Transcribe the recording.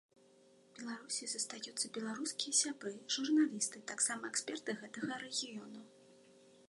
Беларусі застаюцца беларускія сябры, журналісты, таксама эксперты гэтага рэгіёну.